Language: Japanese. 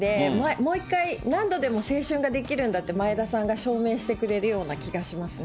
もう一回、何度でも青春ができるんだって、前田さんが証明してくれるような気がしますね。